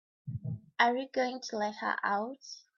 Are you going to let her out?